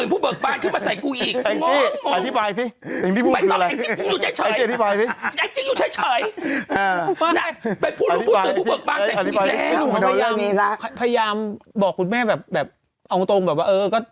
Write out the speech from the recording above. พยายามบอกคุณแม่แบบเอาตรงก็